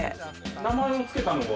名前をつけたのは？